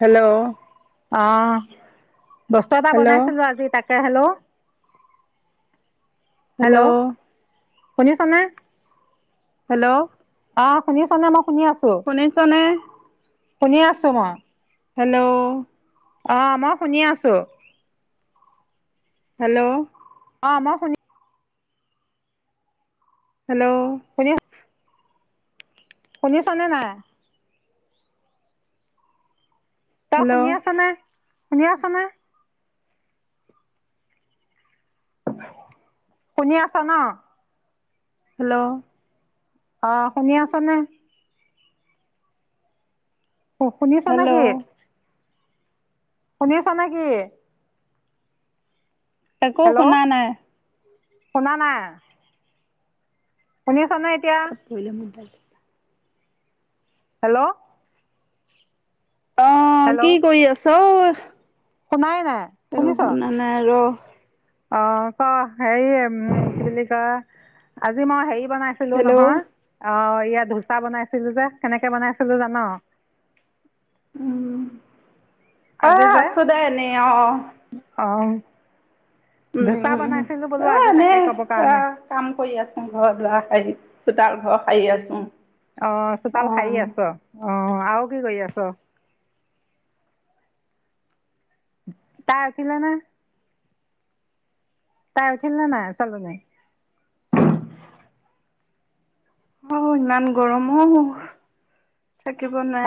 Hello অহ। বস্ত্ৰ এটা হেল্ল' বনাইছিলো আজি তাক। হেল্ল'। হেল্ল'। শুনি ছনে। হেল্ল'। অ শুনিছ নে মোক। শুনিছনে। শুনি আছো মই। হেল্ল'। অহ মই শুনি আছো। হেল্ল'। [unintelligible] শুনি। হেল্ল'। শুনিছানে নাই। তই হেল্ল' শুনি আছ নে। শুনি আছ নে। শুনি আছা ন? হেল্ল'। অ শুনি আছেনে? অ শুনি আছা নে কি? হেল্ল' শুনি আছা নে কি? একো হেল্ল' শুনা নাই। শুনা নাই। শুনি [inaudible] হেল্ল' অ' হেল্ল' কি কৰি আছ ছও শুনাই নাই আৰু শুনিছ শুনা নাই ৰ'। অ, ক, হেৰি উম। কি বুলি কয় আজি মই হেৰি বনাইছিলো হেল্ল' নহয়, অ' এয়া ধোচা বনাইছিলো যে, কেনেকে বনাইছিলো জানো? উম অহ আজি যে আছো দে এনেই অ' অ' উম ধোচা উম বনাইছিলো বোলো এ আজি এনে তাকে কব এ কাৰণে। কাম কৰি আছো ঘৰ দুৱাৰ সাৰি চোতাল, ঘৰ সাৰি আছো। অ' চোতাল সাৰি আছো, অ' আৰু কি কৰি আছো? তাই আছিলেনে? তাই আছিল নে নাই? ছোৱালীজনী। অ' ইমান গৰম মোৰ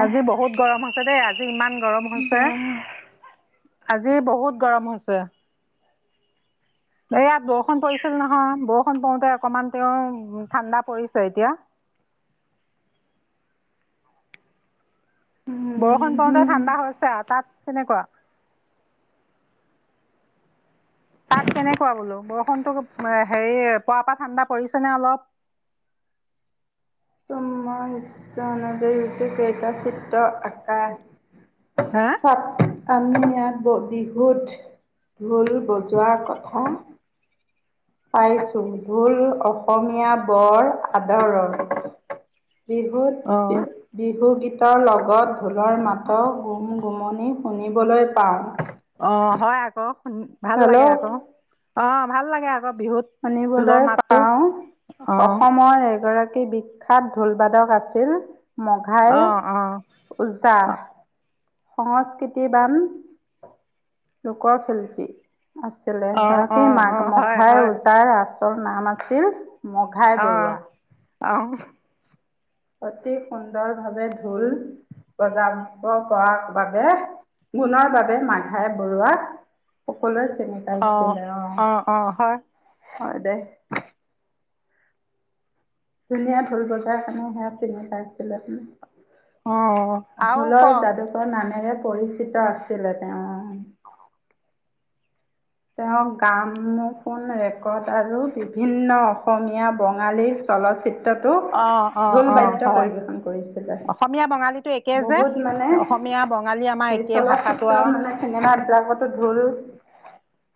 আজি বহুত গৰম হৈছে দেই, আজি ইমান গৰম হৈছে। বাহ আজি বহুত গৰম হৈছে। এই ইয়াত বৰষুণ পৰিছিল নহয়, বৰষুণ পৰোতে অকণমান তেও ঠাণ্ডা পৰিছে এতিয়া। বৰষুণ পৰোতে উম ঠাণ্ডা হৈছে আৰু তাত তেনেকুৱা? তাত কেনেকুৱা বোলো, বৰষুণতো হেৰি প পৰা ঠাণ্ডা পৰিছে নে অলপ? তোমাৰ ইচ্ছা অনুযায়ী কেইটা চিত্ৰ আকা হা? আমি ইয়াত ব বিহুত ঢোল বজোৱাৰ কথা পাইছোঁ, ঢোল অসমীয়া বৰ আদৰৰ অঁ বিহুত বিহু গীত ৰ লগত ঢোলৰ মাতো গুম-গুমনি শুনিবলৈ পাওঁ। অ' হয় আকৌ। উম ভাল লাগে হেল্ল' আকৌ, অ' ভাল লাগে আকৌ। বিহুত ঢোলৰ শুনিবলৈ মাতটো পাও অঁ অসমৰ এগৰাকী বিশিষ্ট। বিখ্যাত ঢোলবাদক আছিল। মঘাই অঁ অঁ ওজা। সংস্কৃতিবান লোকৰ শিল্পী। আছিলে অঁ আৰু কি অঁ মাক অঁ হয় মঘাই হয় উজা। আচল নাম আছিল। মঘাই অঁ বৰুৱা। অঁ অতি সুন্দৰ ভাৱে ঢোল বজাব পৰা বাবে গুণৰ বাবে মাঘাই বৰুোৱাক। সকলোৱে চিনি অঁ পাইছিলে অ অঁ অঁ হয় '। হয় দে। ধুনীয়া ঢোল বজোৱাৰ কাৰণে সেয়া চিনি পাইছিলে অ ' অ'। ঢোলৰ যাদুকৰ নামেৰে। পৰিচিত আছিলে তেওঁ। তেওঁ গামফোন ৰেকৰ্ড আৰু বিভিন্ন অসমীয়া বঙালী চলচিত্ৰ। তো অঁ অঁ ঢোল অঁ বাদ্য হয় পৰিৱেশন কৰিছিলে। অসমীয়া বঙালীটো একেই যে বহুত মানে, অসমীয়া বঙালী আমাৰ সেই একেই পলিচালক ভাষাটো আৰু ক্ষেত্ৰত মানে, চিনেমা বিলাকতো ঢোল-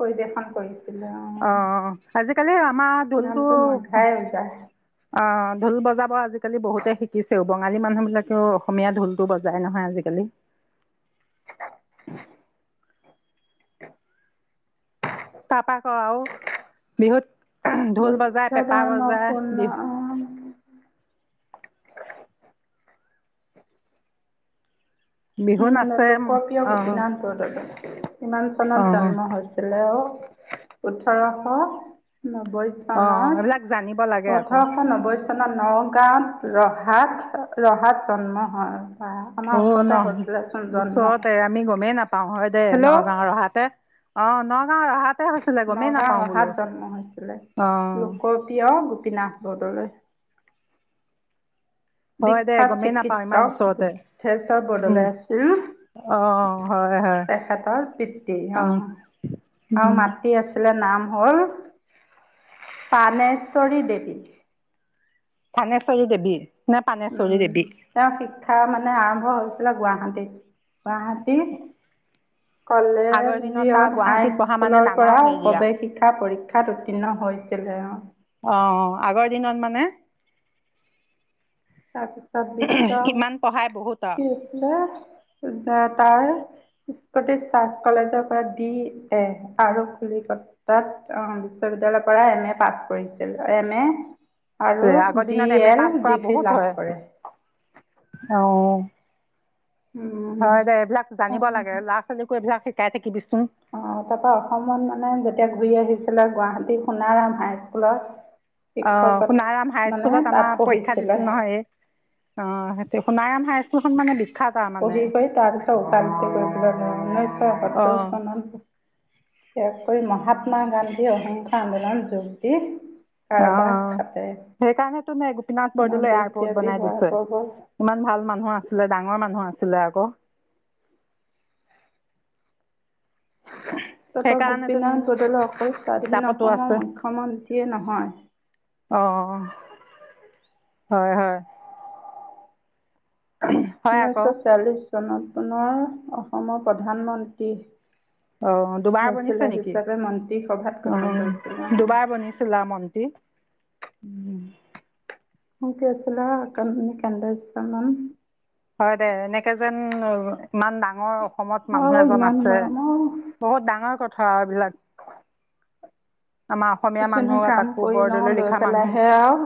পৰিৱেশন কৰিছে। অঁ, আজিকালি আমাৰ ঢোলটো নামটো অঁ, মাঘাই ওজা ঢোল বজাব আজিকালি- আজিকালি বহুতে শিকিছেও, বঙালী মানুহ বিলাকেও অসমীয়া ঢোলটো বজাই নহয়, আজিকালি। তাৰপৰা আকৌ আৰু বিহুত ঢোল বৌদ্ধ বজায়, পেঁপা ধৰ্ম বজায়, পূৰ্ণ বিহু- বিহু কি মানে, নাচে লোকপ্ৰিয় অঁ গোপীনাথ বৰদলৈ। কিমান চনত অঁ অঁ জন্ম হৈছিলেও? ওঠৰশ নব্বৈ চনত, এইবিলাক জানিব লাগে আকৌ ওঠৰশ নব্বৈ নগাঁওত' ৰহাত, ৰহাত জন্ম হয়। বা' আমাৰ অঁ ন ওচৰতে হৈছৈ। ওচৰতে আমি গমেই নাপাওঁ, হয় দে হেল্ল' নগাঁও ৰহাতে। অঁ, নগাঁও ৰহাত। নগাঁও ৰহাত জন্ম হৈছিলে। অঁ লোকপ্ৰিয় গোপীনাথ বৰদলৈ। হয় দে বিখ্যাত গমেই নাপাওঁ ইমান চিকিৎসক ওচৰতে বুদ্ধেশ্বৰ বৰদলৈ আছিল অঁ হয় হয় তেখেতৰ পিতৃ, অ অঁ। আৰু মাতৃৰ আছিলে নাম- হ'ল পাণেশ্বৰী দেৱী। থানেশ্বৰি দেৱী- নে পানেশ্বৰী উম, দেৱী তেওঁ শিক্ষা মানে- মানে, আৰম্ভ হৈছিলে গুৱাহাটীত। গুৱাহাটী আগৰ দিনত তাৰ কলেজৰ গুৱাহাটীত পঢ়া মানে হাইস্কুলৰ ডাঙৰ পৰা, হেৰিয়া প্ৰৱেশ শিক্ষা পৰীক্ষাত উত্তীৰ্ণ হৈছিলে। অঁ অ আগৰ দিনত মানে তাৰপিছত বিশ্ব, কিমান পঢ়াই বহুত কি' আছিলে- তাৰ স্কুল, কলেজৰ পৰা ডি, এ আৰু কলিকতা'ত অঁহ বিশ্ববিদ্যয়ালয়ৰ পৰা এম, এ পাছ কৰিছিল। এম, এ- আৰু আগৰ বি, দিনত এম এ, পাছ কৰা ডিগ্ৰী। লাভ কৰে। অঁহ হয় দে। এইবিলাক জানিব উম। লাগে, ল'ৰা-ছোৱালীকো এইবিলাক- সিকাই থাকিবি। অঁ, তাৰ পৰা অসমত মানে, যেতিয়া ঘূৰি আহিছো- গুৱাহাটী সোণাৰাম হাই স্কুলত- অঁ, সোণাৰাম হাইস্কুলত আমাৰ পৰীক্ষা পঢ়িছিলে দিছিল নহয়, অঁ সেইটো সোণাৰাম হাই স্কুল- খনমানে দি- সেই তাৰপিছত উপাই [unintelligible] নোপোৱা কৰি কেনে মোৰ উঊনৈছশ অ সত্তৰ চনত। [unintelligible] মহাত্মা গান্ধী অসিংসা আন্দোলন যুগ। কি? অ, সেইকাৰণে তুমি গোপীনাথ বৰদলৈ এয়াৰপৰ্ট দেশব্যাপী বনাই হোৱাৰ দিছে। প্ৰবল ইমান ভাল মানুহ আছিলে ডাঙৰ মানুহ আছিল। আছিলে আকৌ। ত ত সেইকাৰণেতোন গোপীনাথ বদলৈদেব অকল স্বাধীন কিতাপতো অসমৰ আছে মুখ্যমন্ত্ৰীয়ে নহয়। অঁ হয় হয়। হয় আকৌ উনৈশ চিয়ালিছ। চনত পুনৰ অসমৰ প্ৰধানমন্ত্ৰী। অহ, দুবাৰ বনিছে হ'লচেলাৰ নেকি? হিচাপে মন্ত্ৰী সভাত গঠন অউম কৰিছিল দুবাৰ অ বনিছিলে মন্ত্ৰী। [unintelligible] হয় দে, এনেকে যেন ইমান ডাঙৰ অসমত আৰু মানুহ এজন ইমান আছে গৰম অ বহুত ডাঙৰ কথা। এইবিলাক। আমাৰ অসমীয়া মানুহ এইখিনি কাম তাকো কৰি লওঁ, বৰদলৈ লৈ লিখা মানুহ পেলাইহে আৱ,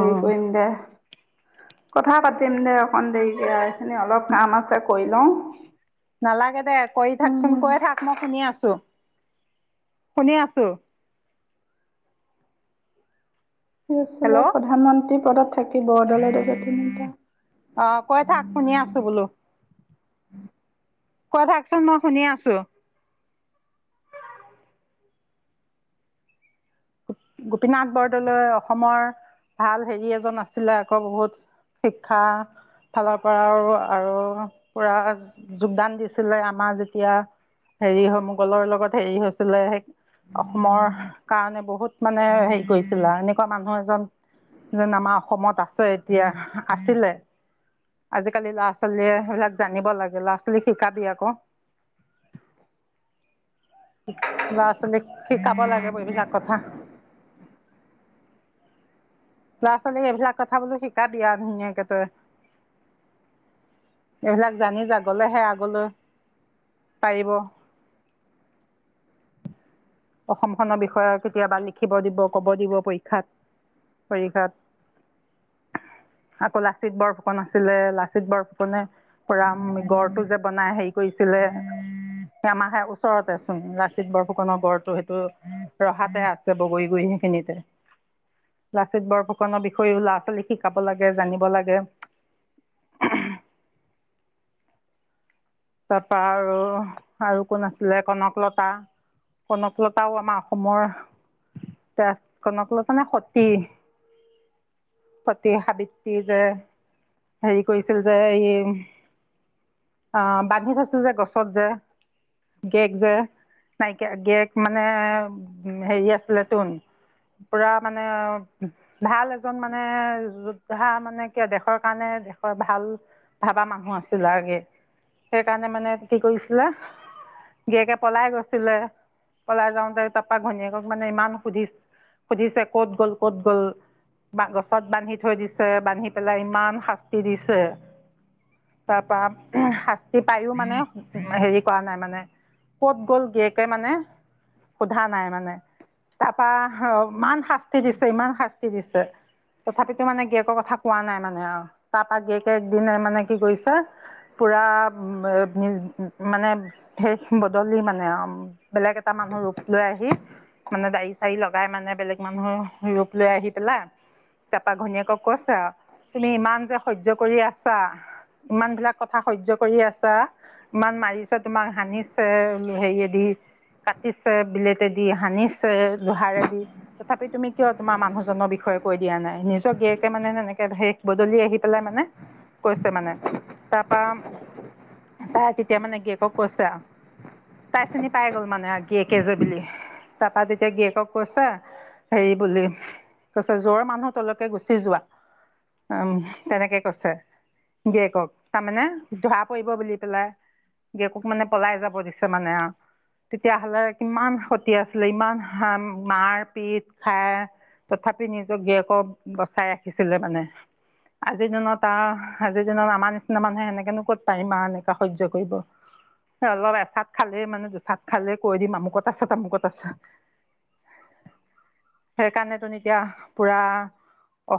হেৰি কৰিম দে, কথা পাতিম দে অকন দেৰিকে আৰ, এইখিনি অলপ কাম আছে। কৰিলও। নালাগে দে কৰি থাকচোন কৈ থাক, মই শুনি আছো। শুনি আছোঁ। আছিলে হেল্ল' প্ৰধানমন্ত্ৰী পদত থাকিব দলে, দলে তিনটা। অ', কৈ থাক, শুনি আছোঁ, বোলোঁ। কৈ থাক চোন, মই শুনি আছোঁ। গোপীনাথ বৰদলৈ অসমৰ ভাল হেৰি এজন আছিলে, আকৌ বহুত শিক্ষা ফালৰ পৰাও আৰু আৰু পুৰা যোগদান দিছিলে, আমাৰ যেতিয়া হেৰি হৈ মোগলৰ লগত হেৰি হৈছিলে, সেই অসমৰ কাৰণে বহুত মানে হেৰি কৰিছিলা, এনেকুৱা মানুহ এজন যেন আমাৰ অসমত আছে এতিয়া আছিলে, আজিকালি ল'ৰা, ছোৱালীয়ে সেইবিলাক জানিব লাগে, ল'ৰা, ছোৱালীক শিকাবি আকৌ। ল'ৰা, ছোৱালীক শিকাব লাগে, এইবিলাক কথা। ল'ৰা, ছোৱালীক এইবিলাক কথা বোলোঁ শিকাবি আ, ধুনীয়াকে তই। এইবিলাক জানি যা, গ'লেহে আগলৈ পাৰিব। অসমখনৰ বিষয়ে কেতিয়াবা লিখিব দিব, ক'ব দিব পৰীক্ষাত, পৰীক্ষাত। আকৌ লাচিত বৰফুকন আছিলে, লাচিত বৰফুকনে পুৰা গড়টো যে, বনাই হেই কৰিছিলে, সেই আমাৰ সে ওচৰতে চোন লাচিত বৰফুকনৰ গড় সেইটো ৰহাতে আছে বগৰীগুৰি খিনিতে। লাচিত বৰফুকন বিষয়েও ল'ৰা, ছোৱালীক শিকাব লাগে, জানিব লাগে। তাপা আৰু, আৰু কোন আছিলে কনকলতা, কনকলতাও আমাৰ অসমৰ তে কনকলতা নে সতী? সতী সাবিত্ৰী যে, হেৰি কৰিছিল যে, এই অ', বা বান্ধি থৈছিল যে, গছত যে, গেক যে, নাইকিয়া গেক মানে হেৰি আছিলে তোন, পুৰা মানে ভাল এজন মানে যোদ্ধা মানে কিয়, দেশৰ কাৰণে, দেশৰ ভাল ভাবা মানুহ আছিল লাগে। সেইকাৰণে মানে, কি কৰিছিলে? গিৰিয়েকে পলাই গৈছিলে, পলাই যাওঁতে তাপা ঘৈনীয়েকক মানে ইমান সুধি, সুধিছে, ক'ত গ'ল? ক'ত গ'ল? বা গছত বান্ধি থৈ দিছে, বান্ধি পেলাই ইমান শাস্তি দিছে। তাপা শা পায়ো মানে হেৰি কোৱা নাই মানে, কত গ'ল গীয়েকে মানে সোধা নাই মানে। তাপা ইমান শাস্তি দিছে, ইমান শাস্তি দিছে। তথাপিতো মানে গীয়েকৰ কথা কোৱা নাই মানে আৱ। তাপা গীয়েকে একদিন মানে কি কৰিছে পুৰা মানে, শেষ বদলি মানে আৱ, বেলেগ এটা মানুহ ৰূপ লৈ আহি, মানে দাড়ি চাৰি লগাই মানে বেলেগ মানুহ ৰূপ লৈ আহি পেলাই তাপা ঘনীয়েকক কৈছে আৱ, তুমি ইমান যে সহ্য কৰি আছা, ইমান বিলাক কথা সহ্য কৰি আছা, ইমান মাৰিছে তোমাক সানিছে, হেৰিয়েদি কাটিছে, বিলেটদি সানিছে, লোহাৰেদি তথাপি তুমি কিয় তোমাৰ মানুহজনৰ বিষয়ে কৈ দিয়া নাই, নিজৰ গীয়েকে মানে এনেকে শেষ বদলি আহি পেলাই মানে, মানে কৈছে মানে। তাপা তাই তেতিয়া মানে গীয়েকক কৈছে আৱ, তাই চিনি পাই গল মানে গীয়েকে যে বুলি, তাপা তেতিয়া গীয়েকক কৈছে হেৰি বুলি, কৈছে জৰ মানুহ তলকে গুচি যোৱা। উম এনেকে কৈছে, গীয়েকক তাৰমানে ধৰা পৰিব বুলি পেলাই, গিয়েকক মানে পলাই যাব দিছে মানে আৱ, তেতিয়াহলে কিমান হতি আছিলে, ইমান হাম মাৰ পিট খাই তথাপি নিজক গেয়কক বচাই ৰাখিছিলে মানে। আজিৰ দিনত আৱ আজিৰ দিনত আমাৰ নিচিনা মানুহে সেনেকেনো কত পাই মা এনেকা সহ্যকৰিব, অলপ এচাত খালেই মানে দুচাত খালেই কৈ দিম, আমুকত আছে তামুকত আছে, সেইকাৰণে তুন এতিয়া পুৰা অ